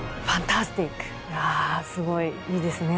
あすごいいいですね。